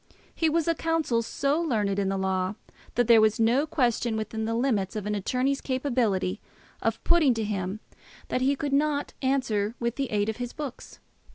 He was a counsel so learned in the law, that there was no question within the limits of an attorney's capability of putting to him, that he could not answer with the aid of his books.